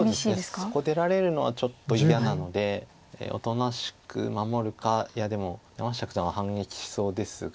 そこ出られるのはちょっと嫌なのでおとなしく守るかいやでも山下九段は反撃しそうですが。